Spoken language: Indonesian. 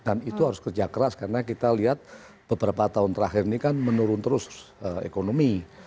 dan itu harus kerja keras karena kita lihat beberapa tahun terakhir ini kan menurun terus ekonomi